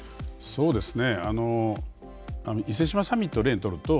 そうですね